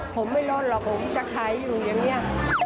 ผมไม่ลดหรอกผมจะขายอยู่อย่างนี้